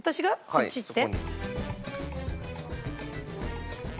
そっち行って？